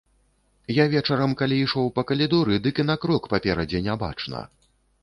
Я вечарам калі ішоў па калідоры, дык і на крок паперадзе не бачна.